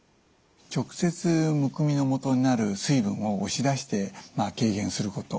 直接むくみのもとになる水分を押し出して軽減すること。